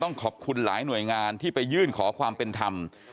ขอบคุณหลายหน่วยงานที่ไปยื่นขอความเป็นธรรม